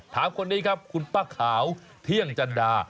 ถามคนนี้ครับคุณป้าขาวเที่ยงจันดา